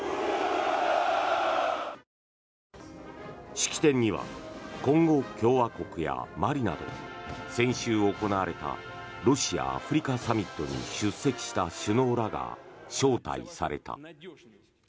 式典にはコンゴ共和国やマリなど先週行われたロシア・アフリカサミットに出席した首脳らが招待された。